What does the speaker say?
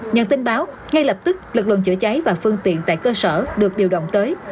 nhận tin báo ngay lập tức lực lượng chữa cháy và phương tiện tại cơ sở được điều động tới